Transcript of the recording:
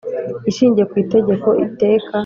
Ishingiye ku Itegeko teka